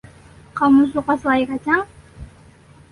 Kamu suka selai kacang?